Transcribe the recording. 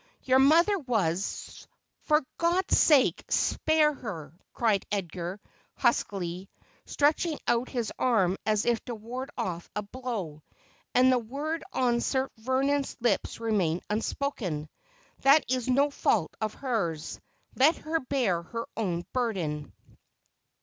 Your mother was ' 'For God's sake, spare her !' cried Edgar huskily, stretching out his arm as if to ward off a blow, and the word on Sir Ver non's lips remained unspoken. ' That is no fault of hers. Let her bear her own burden.'